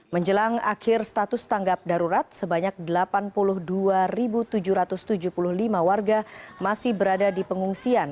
menjelang akhir status tanggap darurat sebanyak delapan puluh dua tujuh ratus tujuh puluh lima warga masih berada di pengungsian